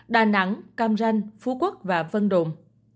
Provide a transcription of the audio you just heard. đà nẵng cam ranh phú quốc và vân động